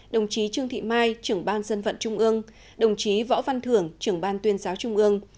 đồng chí trương thị mai trưởng ban dân vận trung ương đồng chí võ văn thưởng trưởng ban tuyên giáo trung ương